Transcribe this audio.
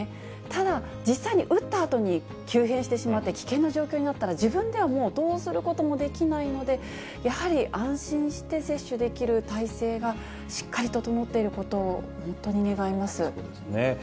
ただ、実際に打ったあとに急変してしまって危険な状況になったら、自分ではもうどうすることもできないので、やはり安心して接種できる体制がしっかり整っていることを本当にそうですね。